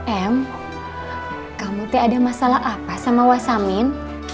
em kamu ada masalah apa sama wasamin